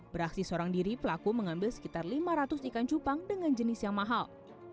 beraksi seorang diri pelaku mengambil sekitar lima ratus ikan cupang dengan jenis yang mahal